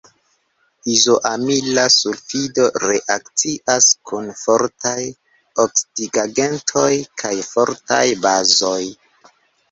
Izoamila sulfido reakcias kun fortaj oksidigagentoj kaj fortaj bazoj.